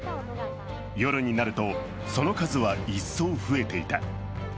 夜になると、その数は一層増えていた。